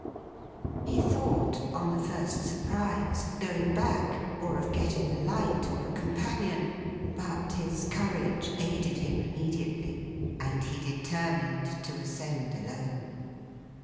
He thought, on the first surprise, of going back; or of getting a light, or a companion, but his courage aided him immediately, and he determined to ascend alone.